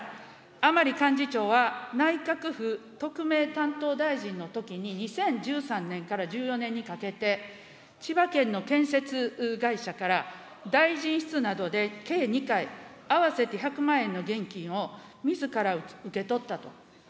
甘利幹事長は内閣府特命担当大臣のときに、２０１３年から１４年にかけて、千葉県の建設会社から大臣室などで計２回、合わせて１００万円の現金をみずから受け取ったと。